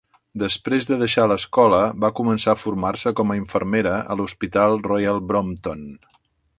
Després de deixar l'escola, va començar a formar-se com a infermera a l'hospital Royal Brompton.